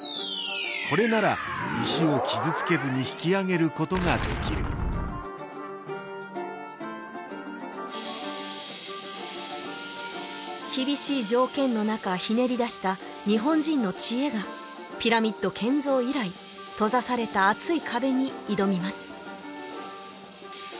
これなら石を傷つけずに引き上げることができる厳しい条件の中ひねり出した日本人の知恵がピラミッド建造以来閉ざされた厚い壁に挑みます